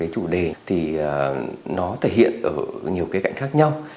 chủ đề thì nó thể hiện ở nhiều cái cạnh khác nhau